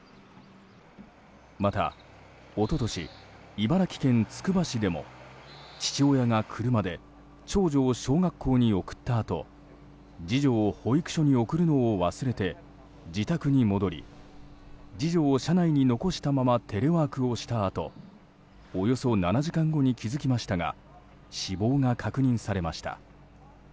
また一昨年、茨城県つくば市でも父親が車で長女を小学校に送ったあと次女を保育所に送るのを忘れて自宅に戻り次女を車内に残したままテレワークをしたあとおよそ７時間後に気づきましたが死亡が確認されました。